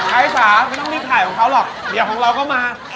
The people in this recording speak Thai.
ไอ้จ๋าไม่ต้องรีบถ่ายของเขาหรอกเดี๋ยวของเราก็มา